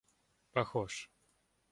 похож